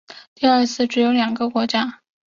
第二次只有两个国家。